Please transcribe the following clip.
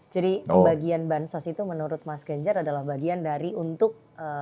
jadi bagian bansos itu menurut mas genjar adalah bagian dari untuk